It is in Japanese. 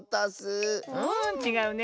うんちがうね。